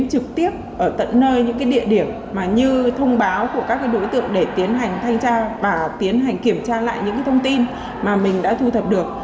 trực tiếp ở tận nơi những cái địa điểm mà như thông báo của các cái đối tượng để tiến hành thanh tra và tiến hành kiểm tra lại những cái thông tin mà mình đã thu thập được